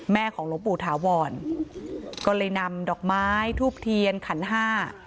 ของหลวงปู่ถาวรก็เลยนำดอกไม้ทูบเทียนขันห้า